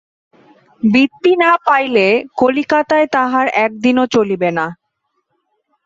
বৃত্তি না পাইলে কলিকাতায় তাহার একদিনও চলিবে না।